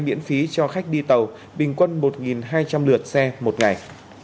miễn phí cho khách đi tàu bình quân một hai trăm linh lượt xe một ngày